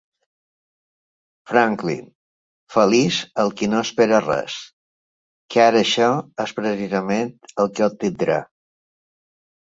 Franklin: feliç el qui no espera res, car això és precisament el que obtindrà.